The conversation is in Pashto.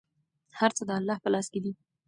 هر څه د الله په لاس کې دي.